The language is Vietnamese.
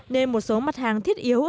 nên một số mặt hàng thiết yếu ở xã